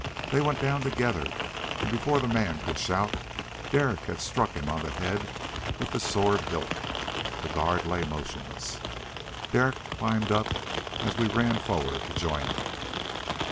They went down together and before the man could shout, Derek had struck him on the head with the sword hilt. The guard lay motionless. Derek climbed up as we ran forward to join him.